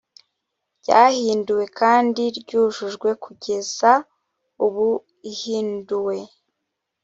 ryahinduwe kandi ryujujwe kugeza ubu ihinduwe